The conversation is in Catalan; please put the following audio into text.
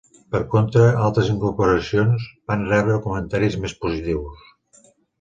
Per contra, altres incorporacions van rebre comentaris més positius.